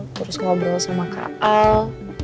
terus ngobrol sama kak al